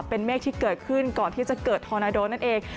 เป็นเมฆที่เกิดขึ้นก่อนที่จะเกิดทอนาโดนั่นเอง